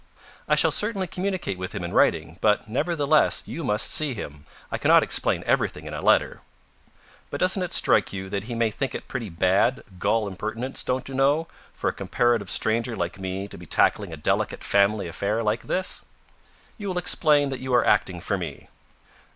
"I shall certainly communicate with him in writing, but, nevertheless, you must see him. I cannot explain everything in a letter." "But doesn't it strike you that he may think it pretty bad gall impertinence, don't you know, for a comparative stranger like me to be tackling a delicate family affair like this?" "You will explain that you are acting for me."